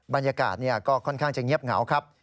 บรรยากาศก็ค่อนข้างจะเงียบเหงาครับ